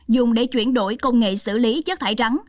dùng để chuyển đổi công nghệ xử lý chất thải rắn